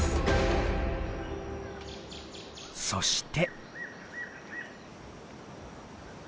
そして。